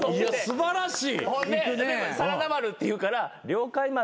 素晴らしい。